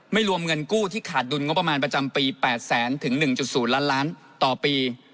รวมเงินกู้ที่ขาดดุลงบประมาณประจำปี๘แสนถึง๑๐ล้านล้านต่อปี